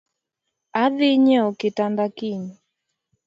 Adii nyieo kitanda kiny